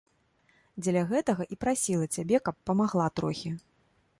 Дзеля гэтага і прасіла цябе, каб памагла трохі.